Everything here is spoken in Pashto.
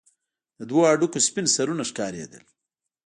د دوو هډوکو سپين سرونه ښكارېدل.